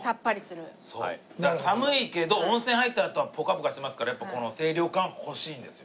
だから寒いけど温泉入ったあとはぽかぽかしますからやっぱこの清涼感欲しいんですよ。